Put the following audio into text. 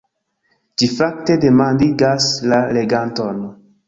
Ĝi fakte demandigas la leganton.